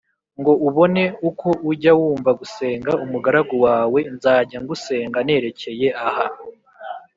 ngo ubone uko ujya wumva gusenga umugaragu wawe nzajya ngusenga nerekeye aha